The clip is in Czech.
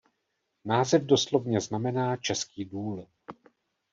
Název doslovně znamená "český důl".